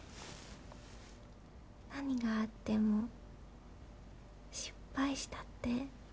何があっても失敗したって